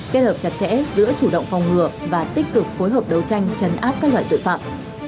kết hợp chặt chẽ giữa chủ động phòng ngừa và tích cực phối hợp đấu tranh chấn áp các loại tội phạm